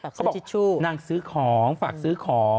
ฝากซื้อทิชชูเขาบอกนั่งซื้อของฝากซื้อของ